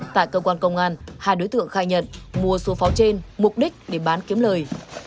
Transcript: tại cơ quan công an hai đối tượng khai nhận mua số pháo trên mục đích để bán kiếm lời